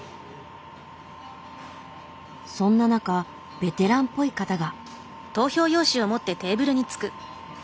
そんな中ベテランっぽい方が。